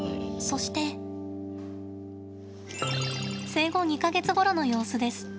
生後２か月ごろの様子です。